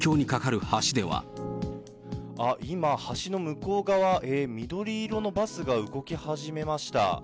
あっ、今、橋の向こう側、緑色のバスが動き始めました。